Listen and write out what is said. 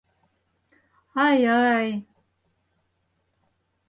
— Ай-ай?!